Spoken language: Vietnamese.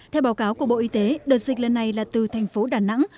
theo báo cáo của bộ y tế đợt dịch lần này là từ thành phố đà nẵng